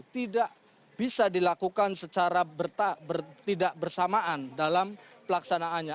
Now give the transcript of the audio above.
tidak bisa dilakukan secara tidak bersamaan dalam pelaksanaannya